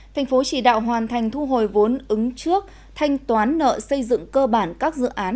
tp hcm hoàn thành thu hồi vốn ứng trước thanh toán nợ xây dựng cơ bản các dự án